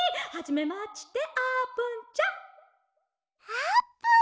あーぷん！